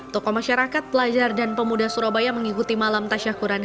tokoh masyarakat pelajar dan pemuda surabaya mengikuti malam tasyakuran